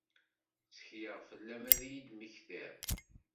Ttekleɣ fell-am ad iyi-d-temmektiḍ.